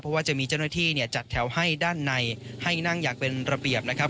เพราะว่าจะมีเจ้าหน้าที่จัดแถวให้ด้านในให้นั่งอย่างเป็นระเบียบนะครับ